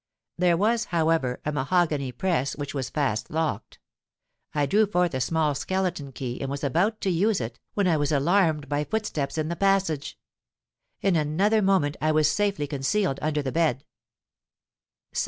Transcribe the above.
There was, however, a mahogany press which was fast locked. I drew forth a small skeleton key, and was about to use it, when I was alarmed by footsteps in the passage. In another moment I was safely concealed under the bed.